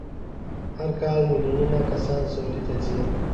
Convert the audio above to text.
هر کال میلیونونه کسان سعودي ته ځي.